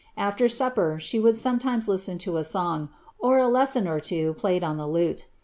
After supper, she would sometimes listen to a song, or a lesson or two played on the lute.